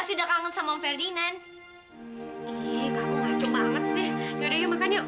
ih kamu macem banget sih yaudah yuk makan yuk